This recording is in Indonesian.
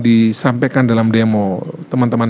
disampaikan dalam demo teman teman